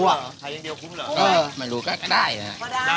เออขายอย่างเดียวก็ได้นะ